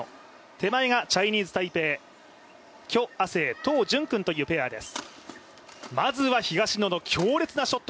手前がチャイニーズ・タイペイ許雅晴、トウ・ジュンクンというペアです。